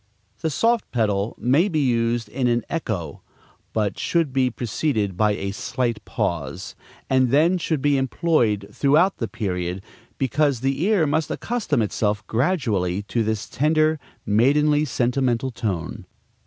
The soft pedal may be used in an echo; but should be preceded by a slight pause, and then should be employed throughout the period, because the ear must accustom itself gradually to this tender, maidenly, sentimental tone.